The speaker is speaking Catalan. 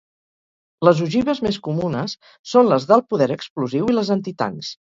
Les ogives més comunes són les d'alt poder explosiu i les antitancs.